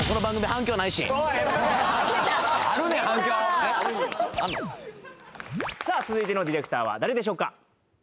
反響さあ続いてのディレクターは誰でしょうか？